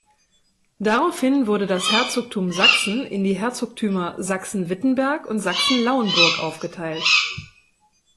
Daraufhin wurde das Herzogtum Sachsen, in die Herzogtümer Sachsen-Wittenberg und Sachsen-Lauenburg aufgeteilt.